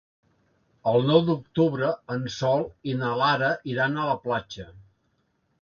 El nou d'octubre en Sol i na Lara iran a la platja.